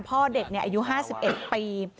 พ่อเด็กอายุ๕๑ปี